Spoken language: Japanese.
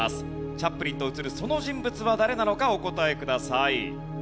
チャップリンと写るその人物は誰なのかお答えください。